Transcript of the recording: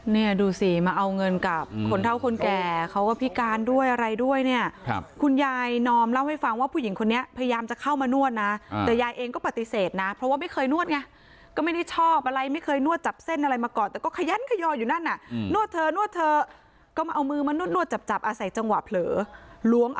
เนี่ยดูสิมาเอาเงินกับคนเท่าคนแก่เขาก็พิการด้วยอะไรด้วยเนี่ยคุณยายนอมเล่าให้ฟังว่าผู้หญิงคนนี้พยายามจะเข้ามานวดนะแต่ยายเองก็ปฏิเสธนะเพราะว่าไม่เคยนวดไงก็ไม่ได้ชอบอะไรไม่เคยนวดจับเส้นอะไรมาก่อนแต่ก็ขยันขยอยอยู่นั่นอ่ะนวดเธอนวดเธอก็มาเอามือมานวดจับจับอาศัยจังหวะเผลอล้วง